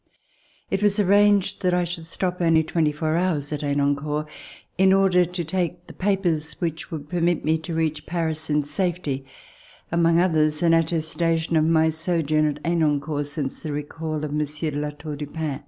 It was arranged that I should stop only twenty four hours at Henencourt, in order to take the papers which would permit me to reach Paris In safety, among others, an attestation of my sojourn at Henencourt since the recall of Monsieur de La Tour du Pin.